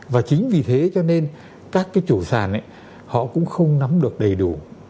và chính vì thế cho nên các cái chủ sản họ cũng không nắm được đầy đủ